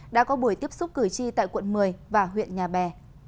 đã có buổi tiếp xúc cử tri tại quận một mươi và huyện nhà bè